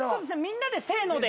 みんなでせので。